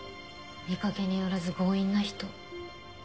見かけによらず強引な人。